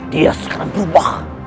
dia sekarang berubah